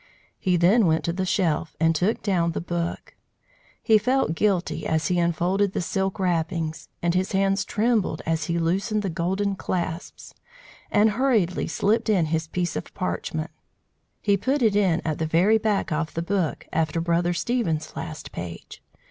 He then went to the shelf and took down the book. He felt guilty as he unfolded the silk wrappings, and his hands trembled as he loosened the golden clasps, and hurriedly slipped in his piece of parchment. He put it in at the very back of the book, after Brother Stephen's last page.